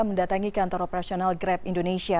mendatangi kantor operasional grab indonesia